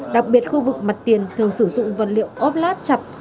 đặc biệt khu vực mặt tiền thường sử dụng vật liệu ốp lát chặt